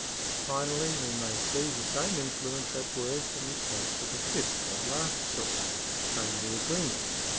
Finally we may see the same influence at work in the case of the fifth and last source, namely agreement.